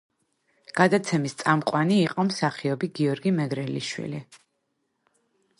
გადაცემის წამყვანი იყო მსახიობი გიორგი მეგრელიშვილი.